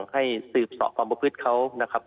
ให้สืบสระความประพฤตเขา